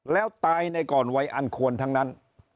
แล้วตายในก่อนวัยอันควรทั้งนั้น